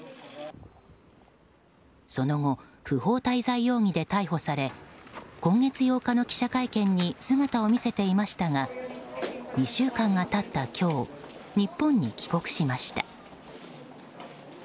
その後、不法滞在容疑で逮捕され今月８日の記者会見に姿を見せていましたが２週間が経った今日日本に帰国しました。